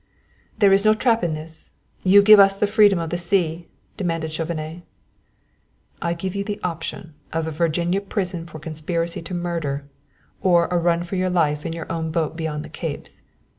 "There is no trap in this? You give us the freedom of the sea?" demanded Chauvenet. "I gave you the option of a Virginia prison for conspiracy to murder, or a run for your life in your own boat beyond the Capes.